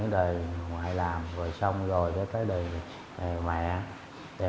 đời ngoại làm rồi xong rồi tới đời mẹ